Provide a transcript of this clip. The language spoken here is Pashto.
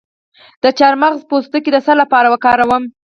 د چارمغز پوستکی د څه لپاره وکاروم؟